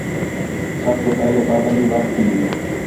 سب تو پہلے پابندی وخت تی